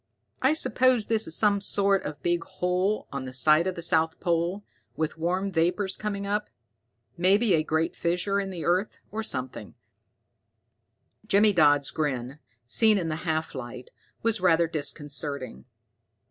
"I suppose this is some sort of big hole on the site of the south pole, with warm vapors coming up. Maybe a great fissure in the earth, or something." Jimmy Dodd's grin, seen in the half light, was rather disconcerting.